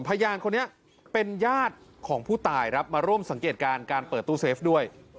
พยานคนนี้เป็นญาติของผู้ตายครับมาร่วมสังเกตการณ์การเปิดตู้เซฟด้วย